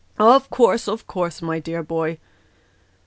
" Of course, of course, my dear boy."